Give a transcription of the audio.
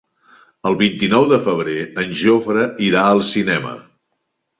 El vint-i-nou de febrer en Jofre irà al cinema.